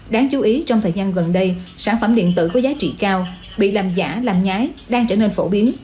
đáng chú ý trong thời gian gần đây sản phẩm điện tử có giá trị cao bị làm giả làm nhái đang trở nên phổ biến